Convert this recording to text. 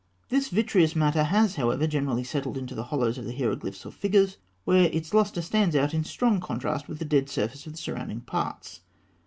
This vitreous matter has, however, generally settled into the hollows of the hieroglyphs or figures, where its lustre stands out in strong contrast with the dead surface of the surrounding parts.